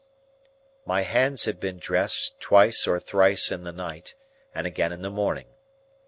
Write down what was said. My hands had been dressed twice or thrice in the night, and again in the morning.